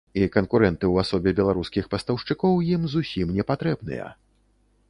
І канкурэнты ў асобе беларускіх пастаўшчыкоў ім зусім не патрэбныя.